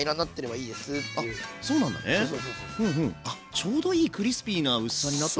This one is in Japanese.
ちょうどいいクリスピーな薄さになったな。